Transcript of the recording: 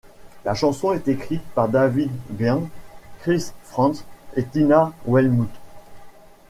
La chanson est écrite par David Byrne, Chris Frantz et Tina Weymouth.